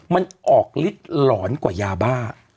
มันออกฤทธิ์หลอนกว่ายาบ้า